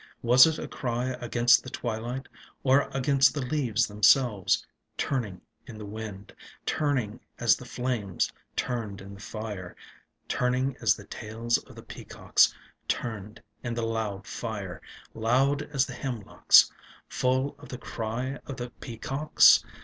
Was it a cry against the twilight Or against the leaves themselves Turning in the wind, Turning as the flames Turned in the fire. 182 WALLACE 8TKVSN8 Turning as the tails of the peacocks Turned in the loud fire, Loud as the hemlocks Full of the cry of the peacocks?